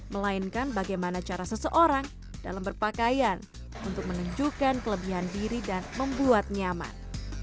melainkan bagaimana cara seseorang dalam berpakaian untuk menunjukkan kelebihan diri dan membuat nyaman